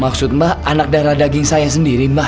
maksud mbah anak darah daging saya sendiri mbah